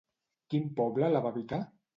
Quin poble la va habitar?